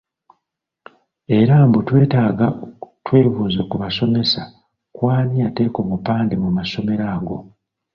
Era mbu twetaaga twebuuze ku basomesa ku ani yateeka obupande mu masomero ago?